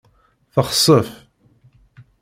Texsef.